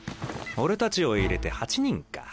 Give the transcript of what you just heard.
俺たちを入れて８人か。